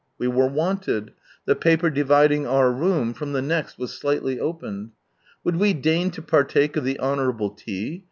We were wanted, the paper dividing our room from the next was slightly opened. " Would we deign to partake of the honourable tea?